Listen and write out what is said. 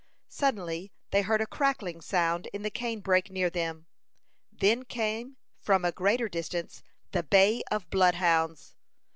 Suddenly they heard a crackling sound in the cane brake near them; then came from a greater distance the bay of bloodhounds.